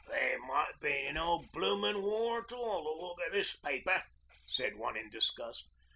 'There might be no bloomin' war at all to look at this paper,' said one in disgust.